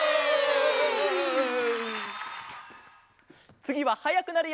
つぎははやくなるよ！